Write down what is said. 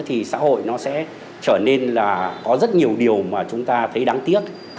thì xã hội nó sẽ trở nên là có rất nhiều điều mà chúng ta thấy đáng tiếc